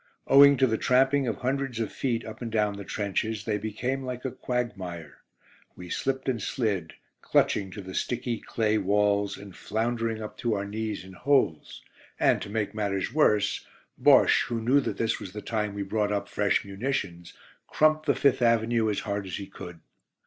Owing to the tramping of hundreds of feet up and down the trenches, they became like a quagmire. We slipped and slid, clutching to the sticky, clay walls, and floundering up to our knees in holes, and, to make matters worse, Bosche, who knew that this was the time we brought up fresh munitions, crumped the Fifth Avenue as hard as he could.